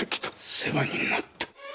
世話になった。